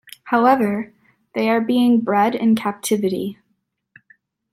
However, they are being bred in captivity.